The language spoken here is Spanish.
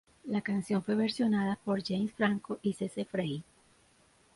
La canción fue versionada por James Franco y CeCe Frey.